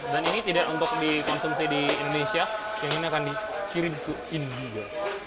dan ini tidak untuk dikonsumsi di indonesia yang ini akan dikirim ke india